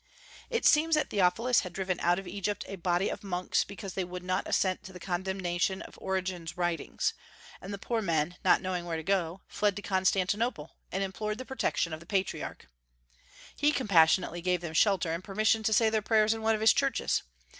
It seems that Theophilus had driven out of Egypt a body of monks because they would not assent to the condemnation of Origen's writings; and the poor men, not knowing where to go, fled to Constantinople and implored the protection of the Patriarch. He compassionately gave them shelter, and permission to say their prayers in one of his churches.